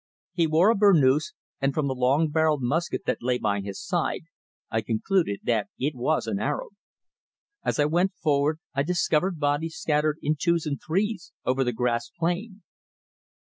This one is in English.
He wore a burnouse, and from the long barrelled musket that lay by his side I concluded it was an Arab. As I went forward I discovered bodies scattered in twos and threes over the grass plain.